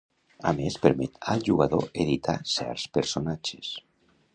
A més, permet al jugador editar certs personatges.